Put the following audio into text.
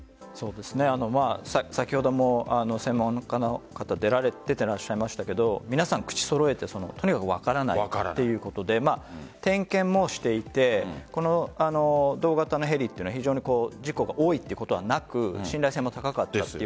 先ほども専門家の方出ていらっしゃいましたけど皆さん、口を揃えてとにかく分からないっていうことで点検もしていてこの同型のヘリは非常に事故が多いということはなく信頼性も高かったんです。